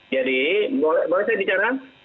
jadi boleh saya bicara